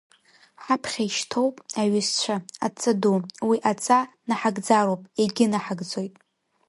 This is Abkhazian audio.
Ҳаԥхьа ишьҭоуп, аҩызцәа, адҵа ду, уи адҵа наҳагӡароуп, егьынаҳагӡоит.